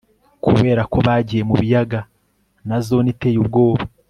Kuberako bagiye mu biyaga na Zone iteye ubwoba